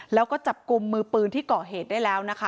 แล้วก็จับกลุ่มมือปืนที่เกาะเหตุได้แล้วนะคะ